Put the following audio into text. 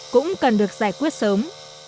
cũng cần được giải quyết sớm